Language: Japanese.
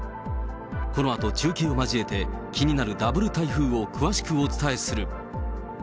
このあと中継を交えて、気になるダブル台風を詳しくお伝えする。